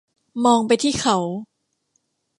มองไปที่เขา